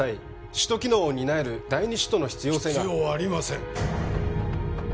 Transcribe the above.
首都機能を担える第二首都の必要性が必要ありません